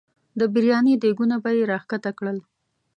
د بریاني دیګونه به یې را ښکته کړل.